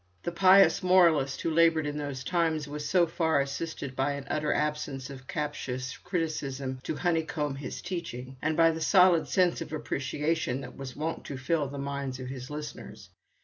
The pious moralist who laboured in those times was so far assisted by an utter absence of captious criticism to honeycomb his teaching, and by the solid sense of appreciation that was wont to fill the minds of his listeners.